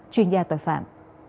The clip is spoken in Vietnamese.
chuyên gia tội phạm